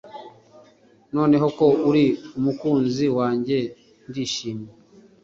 Noneho ko uri umukunzi wanjye ndishimye